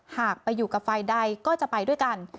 หากไปอยู่กับฝ่ายใดก็จะไปด้วยกัน